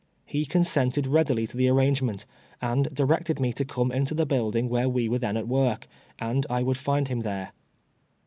He consented readily to the ar rangement, and directed me to come into the building where we were then at work, and I would find him there.